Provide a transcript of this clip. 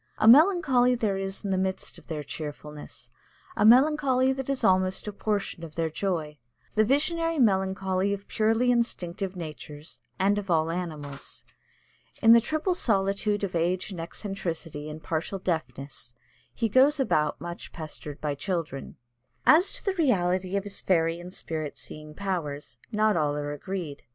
A melancholy there is in the midst of their cheerfulness a melancholy that is almost a portion of their joy, the visionary melancholy of purely instinctive natures and of all animals. In the triple solitude of age and eccentricity and partial deafness he goes about much pestered by children. As to the reality of his fairy and spirit seeing powers, not all are agreed.